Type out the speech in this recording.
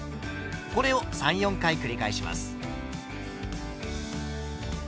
これを３４回繰り返します。